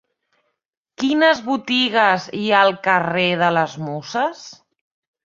Quines botigues hi ha al carrer de les Muses?